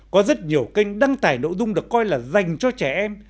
có rất nhiều kênh đăng tải nội dung được coi là dành cho trẻ em